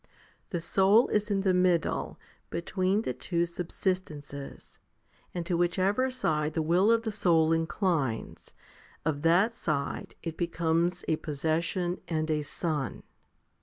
The soul is in the middle between the two subsistences, and to whichever side the will of the soul inclines, of that side it becomes a possession and a son.